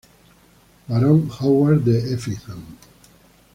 Barón Howard de Effingham.